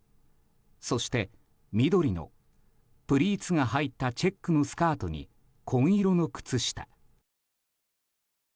そして緑のプリーツが入ったチェックのスカートに紺色の靴下。